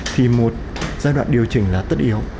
thì một giai đoạn điều chỉnh là tất yếu